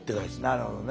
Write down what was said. なるほどね。